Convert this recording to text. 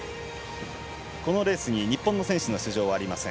このレースに日本の選手の出場はありません。